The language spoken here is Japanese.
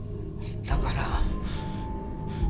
だから。